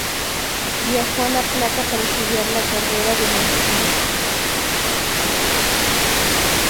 Viajó a La Plata para estudiar la carrera de medicina.